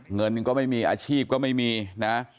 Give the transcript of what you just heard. เงินก็ไม่มีอาชีพก็ไม่มีนะ